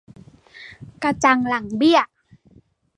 กระจังหลังเบี้ย